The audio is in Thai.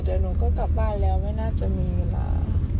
เดี๋ยวหนูก็กลับบ้านแล้วไม่น่าจะมีเวลา